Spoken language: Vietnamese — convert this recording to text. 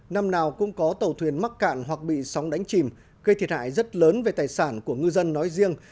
năm nào cũng có tàu thuyền mắc cạn hoặc bị sóng đánh chìm gây thiệt hại rất lớn về tài sản của ngư dân nói riêng